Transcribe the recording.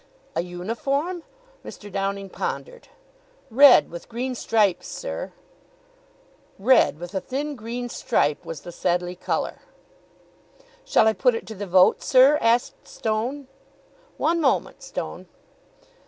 "A uniform?" Mr. Downing pondered "Red, with green stripes, sir," Red, with a thin green stripe, was the Sedleigh colour. "Shall I put it to the vote, sir?" asked Stone. "One moment, Stone."